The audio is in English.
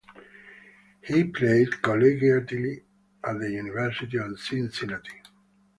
He played collegiately at the University of Cincinnati.